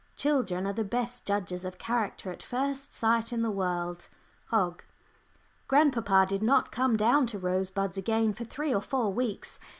... "Children are the best judges of character at first sight in the world." HOGG. Grandpapa did not come down to Rosebuds again for three or four weeks.